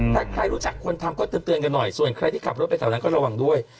ถ้าใครรู้จักคนทำก็เตือนกันหน่อยส่วนใครที่ขับรถไปแถวนั้นก็ระวังด้วย